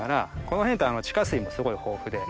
この辺って地下水もすごい豊富で。